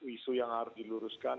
isu yang harus diluruskan